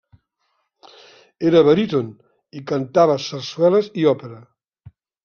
Era baríton i cantava sarsueles i òpera.